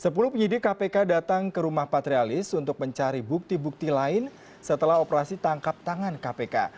sepuluh penyidik kpk datang ke rumah patrialis untuk mencari bukti bukti lain setelah operasi tangkap tangan kpk